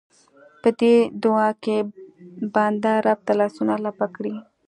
په دې دعا کې بنده رب ته لاسونه لپه کړي.